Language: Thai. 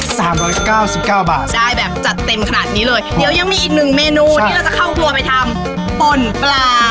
สามร้อยเก้าสิบเก้าบาทได้แบบจัดเต็มขนาดนี้เลยเดี๋ยวยังมีอีกหนึ่งเมนูที่เราจะเข้าครัวไปทำป่นปลา